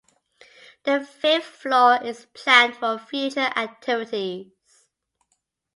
The fifth floor is planned for future activities.